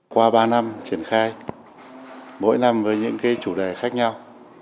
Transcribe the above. qua ba năm triển khai mỗi năm với những chủ đề khác nhau